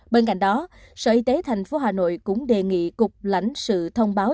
bên cạnh đó sở y tế thành phố hà nội cũng đề nghị cục lãnh sự thông báo